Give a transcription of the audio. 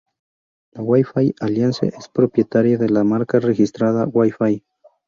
La Wi-Fi Alliance es propietaria de la marca registrada "Wi-Fi".